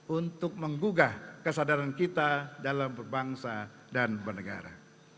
untuk menggugah kesadaran kita dalam perbangsa dan pernegara